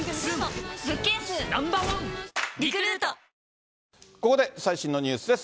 そのたたここで最新のニュースです。